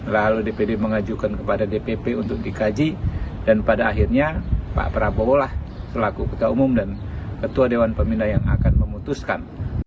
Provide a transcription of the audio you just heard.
lalu dpd mengajukan kepada dpp untuk dikaji dan pada akhirnya pak prabowo lah selaku ketua umum dan ketua dewan pemina yang akan memutuskan